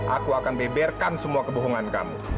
aku akan beberkan semua kebohongan kamu